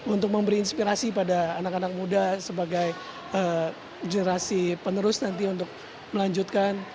untuk memberi inspirasi pada anak anak muda sebagai generasi penerus nanti untuk melanjutkan